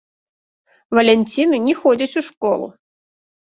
Валянціны не ходзяць у школу.